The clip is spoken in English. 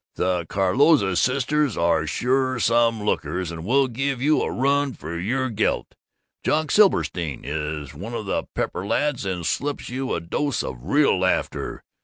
The Calroza Sisters are sure some lookers and will give you a run for your gelt. Jock Silbersteen is one of the pepper lads and slips you a dose of real laughter.